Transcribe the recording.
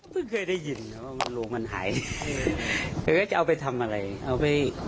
เพิ่งเคยได้ยินว่ามันลูงมันหายเขาก็จะเอาไปทำอะไรเอาไป